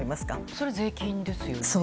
それは税金ですよね。